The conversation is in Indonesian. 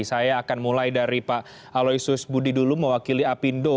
saya akan mulai dari pak aloysus budi dulu mewakili apindo